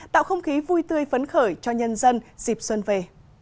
tạo không khí vui tươi phấn khởi cho nhân dân dịp xuân về